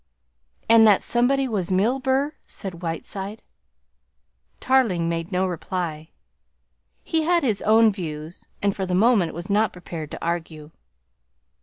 "And that somebody was Milburgh?" said Whiteside. Tarling made no reply. He had his own views and for the moment was not prepared to argue.